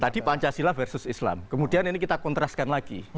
tadi pancasila versus islam kemudian ini kita kontraskan lagi